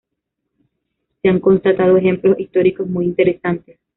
Se han constatado ejemplos históricos muy interesantes.